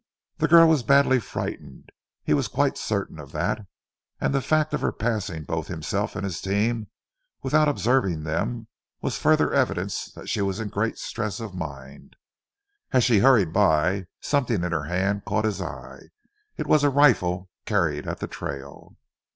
The girl was badly frightened. He was quite certain of that, and the fact of her passing both himself and his team without observing them was further evidence that she was in great stress of mind. As she hurried by something in her hand caught his eye. It was a rifle carried at the trail.